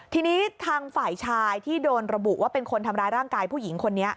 ทีนี้ทางฝ่ายชายที่โดนระบุว่าเป็นคนทำร้ายร่างกายผู้หญิงคนนี้